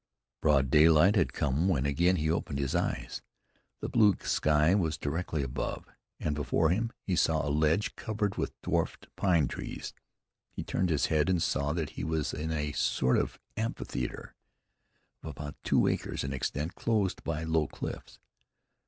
Broad daylight had come when again he opened his eyes. The blue sky was directly above, and before him he saw a ledge covered with dwarfed pine trees. He turned his head, and saw that he was in a sort of amphitheater of about two acres in extent enclosed by low cliffs.